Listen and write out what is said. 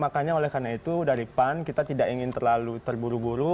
makanya oleh karena itu dari pan kita tidak ingin terlalu terburu buru